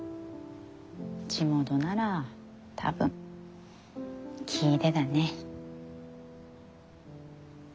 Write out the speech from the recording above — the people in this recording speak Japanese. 地元なら多分聴いでだね。